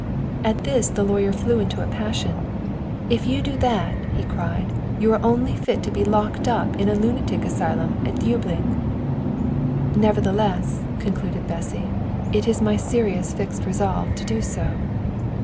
"At this the lawyer flew into a passion. 'If you do that,' he cried, 'you are only fit to be locked up in a lunatic asylum at Döbling.' "Nevertheless," concluded Bessy, "it is my serious and fixed resolve to do so."